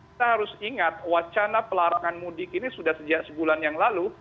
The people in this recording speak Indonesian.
kita harus ingat wacana pelarangan mudik ini sudah sejak sebulan yang lalu